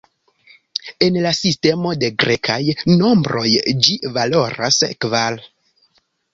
En la sistemo de grekaj nombroj ĝi valoras kvar.